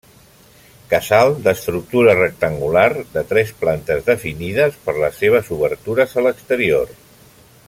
Casal d'estructura rectangular, de tres plantes definides per les seves obertures a l'exterior.